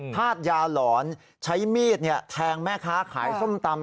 ธาตุยาหลอนใช้มีดแทงแม่ค้าขายส้มตำ